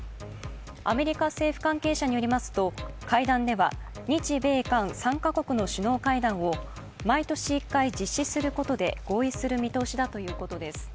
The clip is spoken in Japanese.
アメリカ政府関係者によりますと会談では日米韓３か国の首脳会談を毎年１回実施することで合意する見通しだということです。